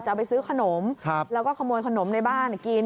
เอาไปซื้อขนมแล้วก็ขโมยขนมในบ้านกิน